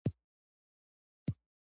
مطالعه د ذهن لپاره خواړه دي.